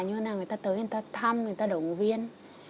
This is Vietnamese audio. người ta tới người ta thăm người ta động viên